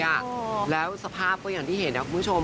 สภาพคืออย่างว่าที่เห็นนะครับคุณผู้ชม